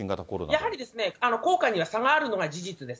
やはりですね、効果には差があるのが事実です。